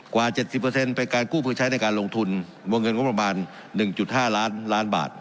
กว่าเจ็ดสิบเปอร์เซ็นต์เป็นการกู้เพื่อใช้ในการลงทุนมวลเงินกว่าประมาณหนึ่งจุดห้าล้านล้านบาท